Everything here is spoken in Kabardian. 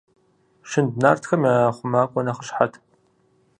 Щынд нартхэм я хъумакӀуэ нэхъыщхьэт.